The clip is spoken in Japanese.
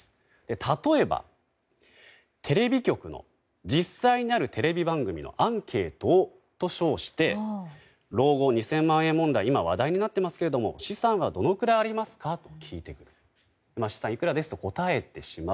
例えば、テレビ局の実際にあるテレビ番組のアンケートと称して老後２０００万円問題が今、話題になっていますけど資産はどのくらいありますか？と聞いて資産がいくらですと答えてしまう。